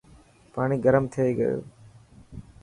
پاڻي گرم ٿي گيو.